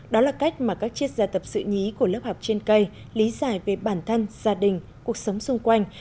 đó là cách mà các triết gia tập sự nhí của lớp học trên cây lý giải về bản thân gia đình cuộc sống xung quanh